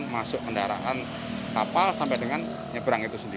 masuk kendaraan kapal sampai dengan nyebrang itu sendiri